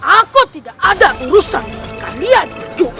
aku tidak ada urusan kalian